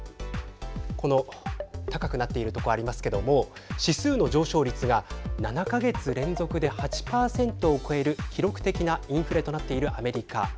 この高くなっているところありますけれども指数の上昇率が、７か月連続で８％を超える記録的なインフレとなっているアメリカ。